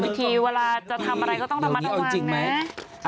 บางทีเวลาจะทำอะไรก็ต้องทำมาตั้งวันนะ